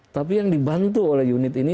tapi yang dibantu oleh unit ini